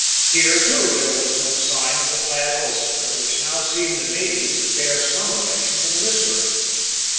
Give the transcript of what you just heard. Here, too, there was no sign of the plaid ulster which now seemed to me to bear some relation to the mystery.